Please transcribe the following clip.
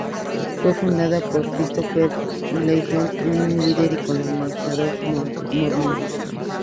Fue fundado por Christopher Layton, un líder y colonizador mormón.